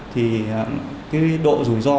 thì cái độ rủi ro